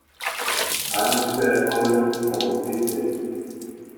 άνοιξε όλες τις αποθήκες